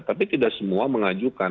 tapi tidak semua mengajukan